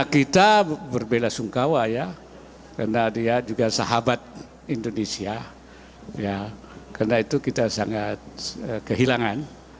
karena dia juga sahabat indonesia karena itu kita sangat kehilangan